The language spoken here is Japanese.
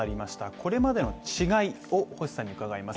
これまでの違いを星さんに伺います。